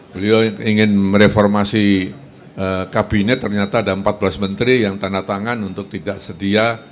beliau ingin mereformasi kabinet ternyata ada empat belas menteri yang tanda tangan untuk tidak sedia